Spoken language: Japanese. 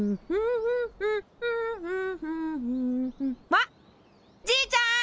あっじいちゃん！